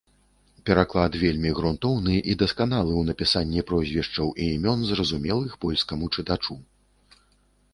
Пераклад вельмі грунтоўны і дасканалы ў напісанні прозвішчаў і імён зразумелых польскаму чытачу.